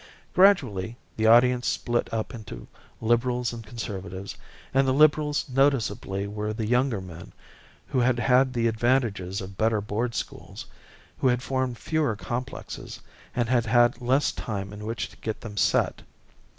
Gradually that audience split up into liberals and conservatives; and the liberals noticeably were the younger men who had had the advantages of better board schools, who had formed fewer complexes and had had less time in which to get them set.